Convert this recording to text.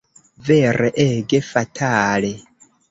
Vere, ege fatale!